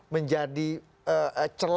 menjadi celah untuk bisa menaikkan nilai tawar juga